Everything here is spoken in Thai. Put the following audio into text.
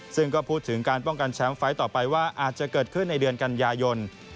ซึ่งก็พูดถึงการป้องกันแชมป์ไฟล์ต่อไปว่าอาจจะเกิดขึ้นในเดือนกันยายน